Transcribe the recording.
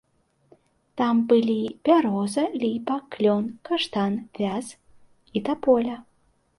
Там былі бяроза, ліпа, клён, каштан, вяз і таполя.